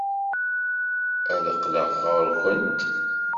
Ad d-qqleɣ ɣer-went.